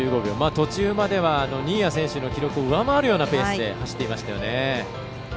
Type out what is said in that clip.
途中までは新谷選手の記録を上回るようなペースで走ってましたね。